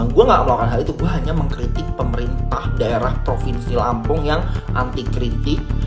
gue gak melakukan hal itu gue hanya mengkritik pemerintah daerah provinsi lampung yang anti kritik